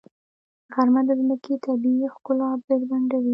غرمه د ځمکې طبیعي ښکلا بربنډوي.